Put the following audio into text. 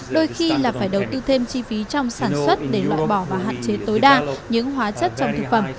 đôi khi là phải đầu tư thêm chi phí trong sản xuất để loại bỏ và hạn chế tối đa những hóa chất trong thực phẩm